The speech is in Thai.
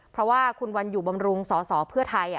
เพราะว่าคุณวันอยู่บำรุงสสเพื่อไทย